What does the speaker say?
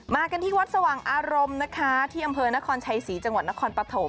กันที่วัดสว่างอารมณ์นะคะที่อำเภอนครชัยศรีจังหวัดนครปฐม